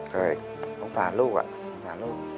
เคยต้องต่างลูกอะ